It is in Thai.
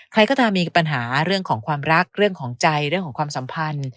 ใครก็ตามมีปัญหาเรื่องของความรักเรื่องของใจเรื่องของความสัมพันธ์